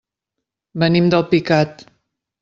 Venim d'Alpicat.